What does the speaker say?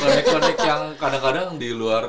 konek konek yang kadang kadang di luar